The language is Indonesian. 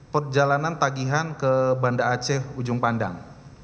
perjalanan tagihan ke banda aceh ujung pandang